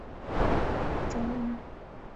少花淫羊藿为小檗科淫羊藿属下的一个种。